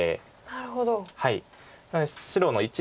なるほど。